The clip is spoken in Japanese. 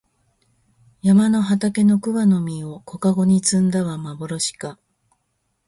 山の畑の桑の実を小かごに摘んだはまぼろしか